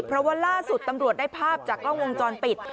เพราะว่าล่าสุดตำรวจได้ภาพจากกล้องวงจรปิด